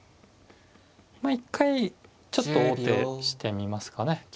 まあ一回ちょっと王手してみますかね。